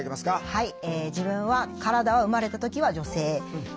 はい。